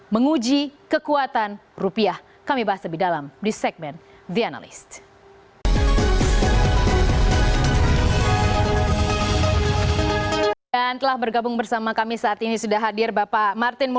menguji kekuatan rupiah kami bahas lebih dalam di segmen the analyst